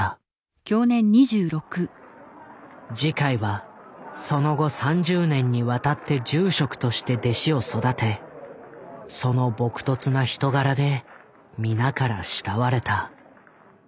慈海はその後３０年にわたって住職として弟子を育てその朴とつな人柄で皆から慕われた。